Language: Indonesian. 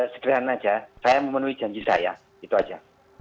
sekiranya saja saya memenuhi janji saya itu saja